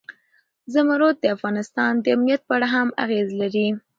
زمرد د افغانستان د امنیت په اړه هم اغېز لري.